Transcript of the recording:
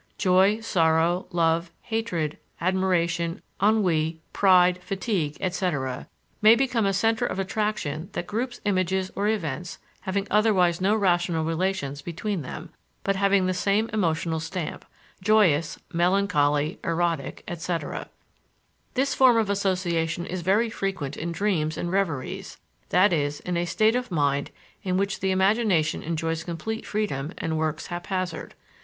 Joy, sorrow, love, hatred, admiration, ennui, pride, fatigue, etc., may become a center of attraction that groups images or events having otherwise no rational relations between them, but having the same emotional stamp, joyous, melancholy, erotic, etc. This form of association is very frequent in dreams and reveries, i.e., in a state of mind in which the imagination enjoys complete freedom and works haphazard.